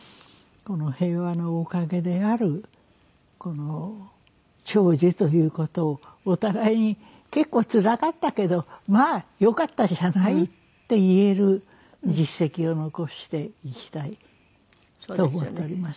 平和のおかげであるこの長寿という事を「お互い結構つらかったけどまあよかったじゃない」って言える実績を残していきたいと思っています。